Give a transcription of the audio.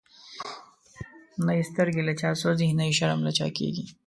نه یی سترګی له چا سوځی، نه یی شرم له چا کیږی